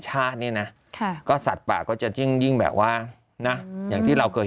ชาติเนี่ยนะค่ะก็สัตว์ป่าก็จะยิ่งแบบว่านะอย่างที่เราเคย